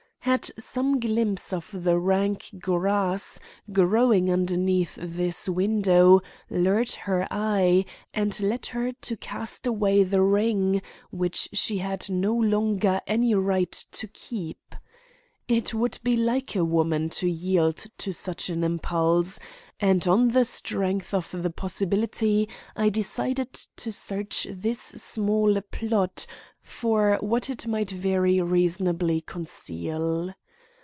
Had some glimpse of the rank grass growing underneath this window lured her eye and led her to cast away the ring which she had no longer any right to keep? It would be like a woman to yield to such an impulse; and on the strength of the possibility I decided to search this small plot for what it might very reasonably conceal.